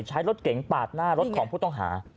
ใช้รถเก๋งปาดหน้ารถของผู้ต้องหา